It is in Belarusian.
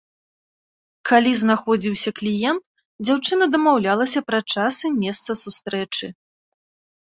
Калі знаходзіўся кліент, дзяўчына дамаўлялася пра час і месца сустрэчы.